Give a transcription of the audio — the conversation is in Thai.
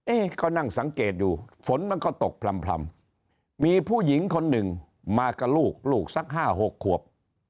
ก็นั่งสังเกตอยู่ฝนมันก็ตกพร่ำมีผู้หญิงคนหนึ่งมากับลูกลูกสัก๕๖ขวบ